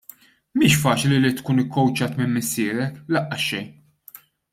"" Mhix faċli li tkun ikkowċjat minn misserek, lanqas xejn!